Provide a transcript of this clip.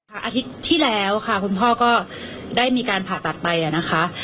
อาทิตย์ที่แล้วค่ะคุณพ่อก็ได้มีการผ่าตัดไปนะคะ